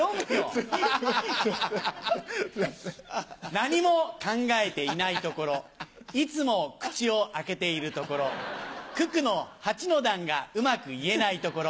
何も考えていないところいつも口を開けているところ九九の八の段がうまく言えないところ。